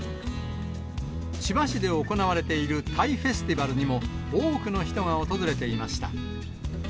千葉市で行われているタイフェスティバルにも、多くの人が訪れていました。